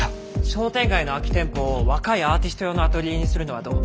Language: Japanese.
商店街の空き店舗を若いアーティスト用のアトリエにするのはどう？